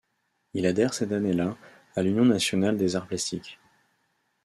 Il adhère cette année-là à l’union nationale des arts plastiques.